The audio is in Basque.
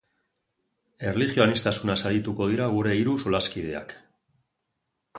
Erlijio aniztasunaz arituko dira gure hiru solaskideak.